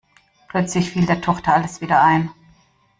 Plötzlich fiel der Tochter alles wieder ein.